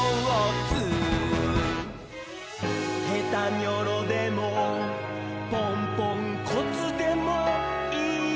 「ヘタニョロでもポンポンコツでもいい」